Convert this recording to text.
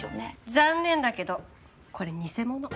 残念だけどこれ偽物。